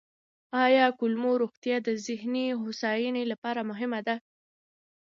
آیا کولمو روغتیا د ذهني هوساینې لپاره مهمه ده؟